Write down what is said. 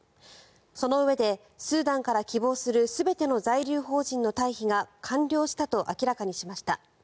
そのうえで、スーダンから希望する全ての在留邦人の退避が完了したと明らかにしました。